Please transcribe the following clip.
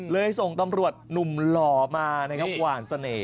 เลยทรงตำรวจหนุ่มหล่อมานะครับเวว่าหันเสนอ